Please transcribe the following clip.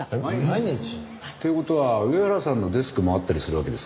毎日？という事は上原さんのデスクもあったりするわけですか？